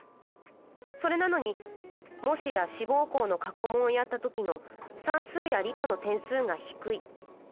それなのに模試や志望校の過去問をやったときの算数や理科の点数が低い。